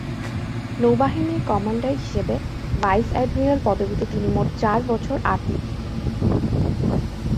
নৌবাহিনীর কমান্ডার হিসেবে vice admiral পদবীতে তিনি মোট চার বছর আট মাস ছিলেন।